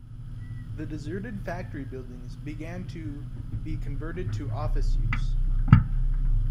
The deserted factory buildings began to be converted to office use.